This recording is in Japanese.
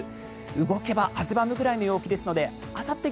動けば汗ばむぐらいの陽気ですのであさって